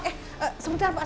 eh sebentar pak